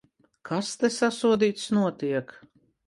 Kas te, sasodīts, notiek?